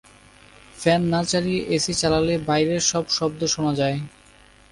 Fan না চালিয়ে AC চালালে বাইরের সব শব্দ শোনা যায়।